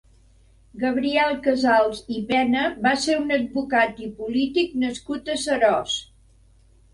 Gabriel Casals i Pena va ser un advocat i polític nascut a Seròs.